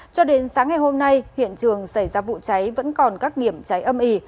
cho đến sáng ngày hôm nay hiện trường xảy ra vụ cháy vẫn còn các điểm cháy âm ỉ